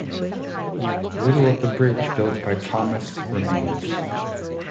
Little of the bridge built by Thomson remains.